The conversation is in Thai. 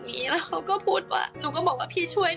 ผมก็ชกงานด้วย